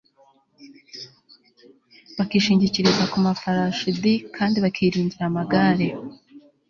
bakishingikiriza ku mafarashi d kandi bakiringira amagare